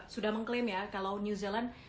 sudah mengklaim ya kalau new zealand